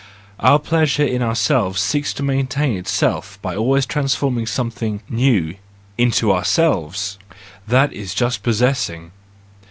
Our pleasure in ourselves seeks to maintain itself, by always transforming something new into ourselves ,—that is just possess¬ ing.